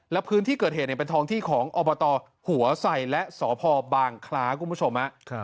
และพื้นที่เกิดเหตุเป็นทองที่ของอบตหัวใส่และสพบางคล้าคุณผู้ชม